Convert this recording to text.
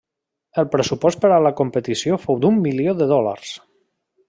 El pressupost per a la competició fou d'un milió de dòlars.